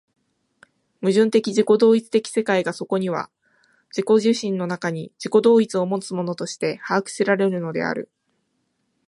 矛盾的自己同一的世界がそこには自己自身の中に自己同一をもつものとして把握せられるのである。